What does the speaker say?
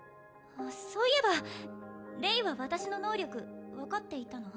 そういえばレイは私の能力分かっていたの？